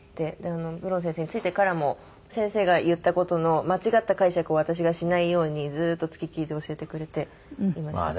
ブロン先生に付いてからも先生が言った事の間違った解釈を私がしないようにずっと付きっきりで教えてくれていました。